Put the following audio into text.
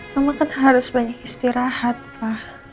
mama kan harus banyak istirahat pak